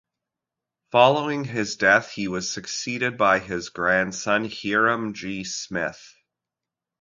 Following his death, he was succeeded by his grandson, Hyrum G. Smith.